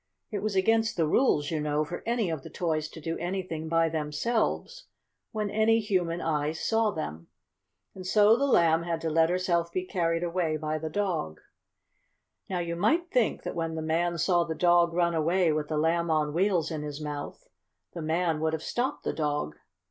It was against the rules, you know, for any of the toys to do anything by themselves when any human eyes saw them. And so the Lamb had to let herself be carried away by the dog. Now you might think that when the man saw the dog run away with the Lamb on Wheels in his mouth the man would have stopped the dog.